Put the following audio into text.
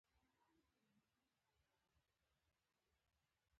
دې پاتې شوې اندازې ته بانکي ګټه ویل کېږي